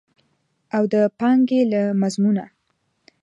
او د پانګې له مضمونه.